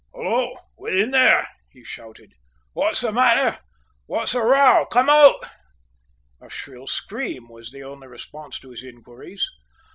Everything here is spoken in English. "Hullo, within there!" he shouted, "what's the matter? What's the row? Come out!" A shrill scream was the only response to his inquiries.